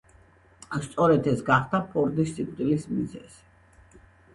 სწორედ ეს გახდა ფორდის სიკვდილის მიზეზი.